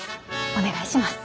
お願いします。